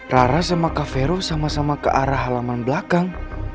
rara sama cavero sama sama ke arah halaman belakang